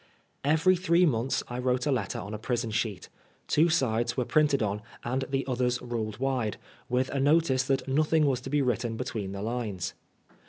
Every three months I wrote a letter on a prison sheet. Two sides were printed on, and the others ruled wide, with a notice that nothing was to be written between the lines.